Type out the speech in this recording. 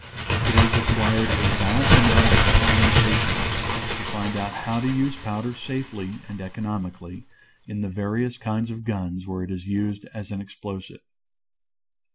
It has required a vast amount of experimentation to find out how to use powder safely and economically in the various kinds of guns where it is used as an explosive.